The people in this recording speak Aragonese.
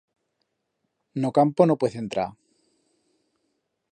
N'o campo no puez entrar.